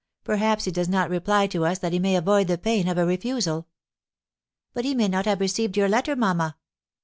Perhaps he does not reply to us that he may avoid the pain of a refusal." "But he may not have received your letter, mamma!"